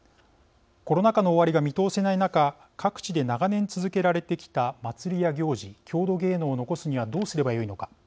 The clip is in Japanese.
コロナ禍の終わりが見通せない中各地で長年続けられてきた祭りや行事、郷土芸能を残すにはどうすればよいのか。